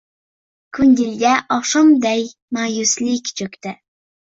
Ko‘ngliga oqshomday ma’yuslik cho‘kdi.